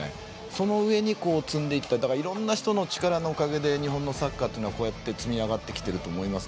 その上に積んでいったいろんな人の力のおかげで日本のサッカーというのは積み上がってきていると思います。